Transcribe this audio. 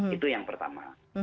itu yang pertama